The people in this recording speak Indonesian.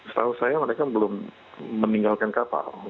setahu saya mereka belum meninggalkan kapal